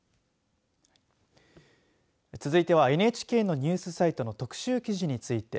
続いてはＮＨＫのニュースサイトの特集記事について。